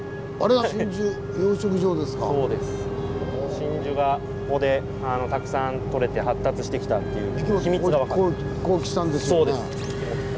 真珠がここでたくさんとれて発達してきたっていう秘密が分かる。